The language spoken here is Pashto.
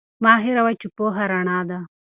مه هیروئ چې پوهه رڼا ده.